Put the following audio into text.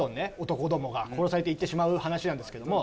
男どもが殺されていってしまう話なんですけども。